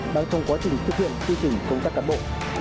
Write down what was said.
đang trong quá trình thực hiện quy trình công tác cán bộ